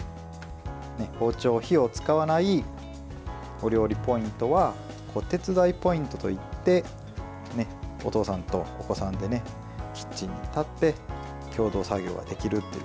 包丁、火を使わないお料理ポイントは子手伝いポイントといってお父さんとお子さんでキッチンに立って共同作業ができるという。